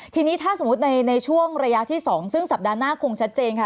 ทีนี้ถ้าสมมุติในช่วงระยะที่๒ซึ่งสัปดาห์หน้าคงชัดเจนค่ะ